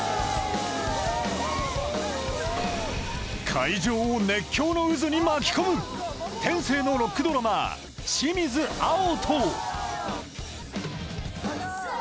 会場を熱狂の渦に巻き込む天性のロックドラマー、清水碧大。